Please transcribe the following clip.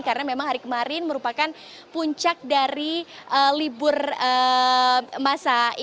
karena memang hari kemarin merupakan puncak dari libur masa